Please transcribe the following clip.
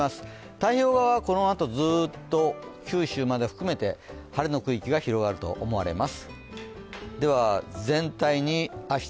太平洋側はこのあとずっと九州まで含めて晴れの区域が広がると思われます。